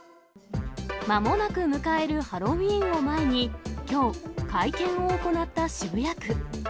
まもなく迎えるハロウィーンを前に、きょう、会見を行った渋谷区。